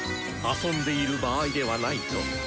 遊んでいる場合ではないと。